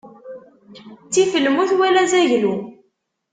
Ttif lmut wala azaglu.